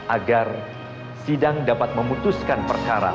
agar sidang dapat memutuskan perkara